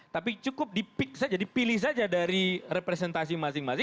tapi cukup dipilih saja dari representasi masing masing